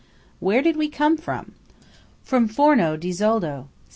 Where did we come from? From Forno di Zoldo!